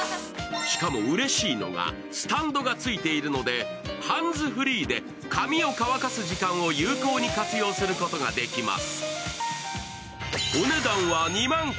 しかも、うれしいのがスタンドがついているのでハンズフリーで髪を乾かす時間を有効に活用することができます。